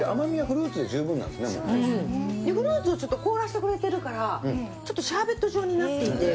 フルーツをちょっと凍らせてくれてるからちょっとシャーベット状になっていて。